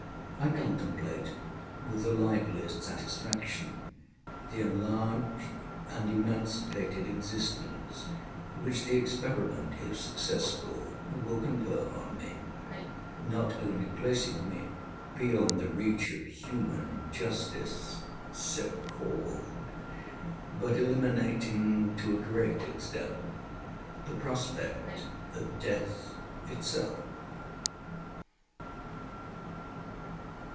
I contemplate with the liveliest satisfaction the enlarged and emancipated existence which the experiment, if successful, will confer on me; not only placing me beyond the reach of human justice (so called), but eliminating to a great extent the prospect of death itself.